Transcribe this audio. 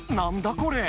これ。